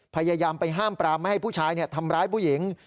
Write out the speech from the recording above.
พยายามไปห้ามปรามไม่ให้ผู้ชายทำร้ายผู้หญิง